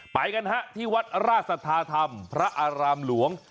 ไปกันฮะที่วัดราชสัทธาธรรมพระอารามหลวง